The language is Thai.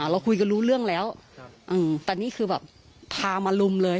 เราคุยกันรู้เรื่องแล้วแต่นี่คือแบบพามาลุมเลย